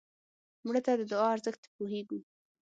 مړه ته د دعا ارزښت پوهېږو